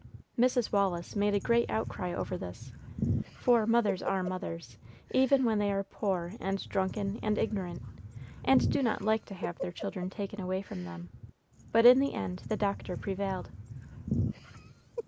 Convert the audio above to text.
Mrs. Wallis made a great outcry over this, for mothers are mothers, even when they are poor and drunken and ignorant, and do not like to have their children taken away from them; but in the end the doctor prevailed.